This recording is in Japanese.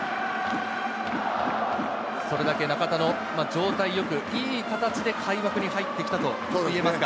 それだけ中田の状態がいい形で開幕に入ってきたといえますか？